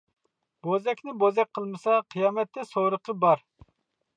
بوزەكنى بوزەك قىلمىسا قىيامەتتە سورىقى بار!